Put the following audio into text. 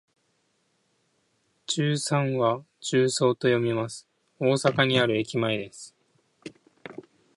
十三は「じゅうそう」と読みます。大阪にある駅前です。